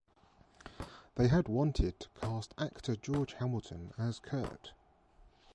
They had wanted to cast actor George Hamilton as Kurt.